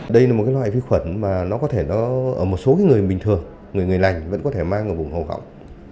đây là một loại vi khuẩn mà có thể ở một số người bình thường người lành vẫn có thể mang ở vùng hồ hỏng